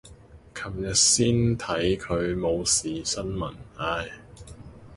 琴日先看他冇事新聞，唉。